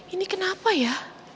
ini kenapa ya